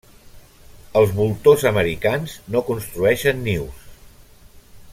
Els voltors americans no construeixen nius.